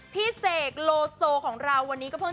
เสกโลโซของเราวันนี้ก็เพิ่ง